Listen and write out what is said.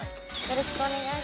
よろしくお願いします。